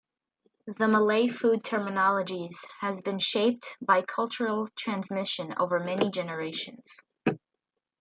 The Malay food terminologies has been shaped by cultural transmission over many generations.